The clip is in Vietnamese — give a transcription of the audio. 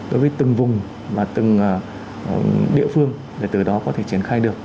đối với từng vùng và từng địa phương để từ đó có thể triển khai được